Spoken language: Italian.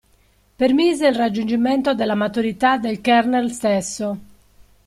Permise il raggiungimento della maturità del kernel stesso.